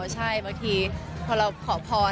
ใช่บางทีพอเราขอพร